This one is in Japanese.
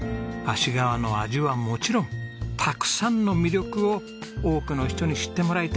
芦川の味はもちろんたくさんの魅力を多くの人に知ってもらいたい。